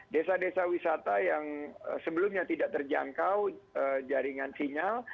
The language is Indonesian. desa desa wisata yang sebelumnya tidak terjangkau jaringan sinyal